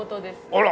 あら！